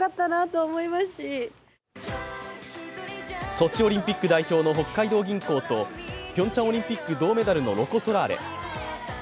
ソチオリンピック代表の北海道銀行とピョンチャンオリンピック銅メダルのロコ・ソラーレ。